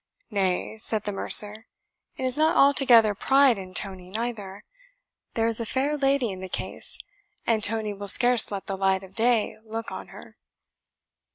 "Nay," said the mercer, "it is not altogether pride in Tony neither; there is a fair lady in the case, and Tony will scarce let the light of day look on her."